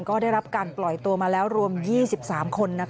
ก็ได้รับการปล่อยตัวมาแล้วรวม๒๓คน